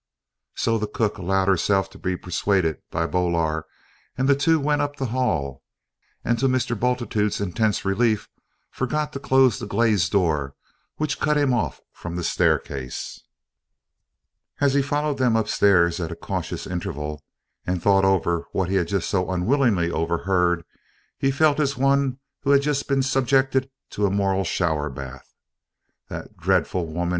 So the cook allowed herself to be persuaded by Boaler, and the two went up to the hall, and, to Mr. Bultitude's intense relief, forgot to close the glazed door which cut him off from the staircase. As he followed them upstairs at a cautious interval, and thought over what he had just so unwillingly overheard, he felt as one who had just been subjected to a moral showerbath. "That dreadful woman!"